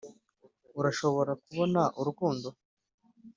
urashobora kubona urukundo